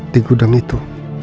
di gudang itu